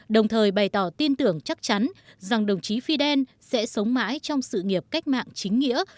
đồng thời bày tỏ tin tưởng chắc chắn rằng đồng chí fidel sẽ sống mãi trong sự nghiệp cách mạng chính nghĩa